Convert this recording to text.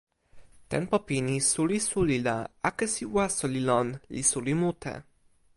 tenpo pini suli suli la akesi waso li lon li suli mute.